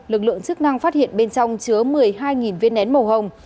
lực lượng chức năng phát hiện bên trong chứa một mươi hai viên nén màu hồng